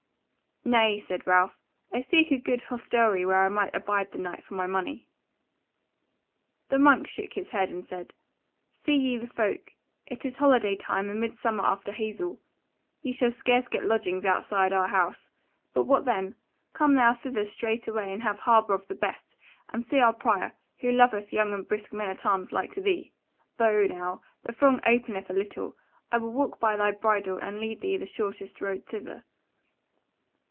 "Nay," said Ralph, "I seek a good hostelry where I may abide the night for my money." The monk shook his head and said: "See ye the folk? It is holiday time, and midsummer after haysel. Ye shall scarce get lodging outside our house. But what then? Come thou thither straightway and have harbour of the best, and see our prior, who loveth young and brisk men at arms like to thee. Lo now! the throng openeth a little; I will walk by thy bridle and lead thee the shortest road thither."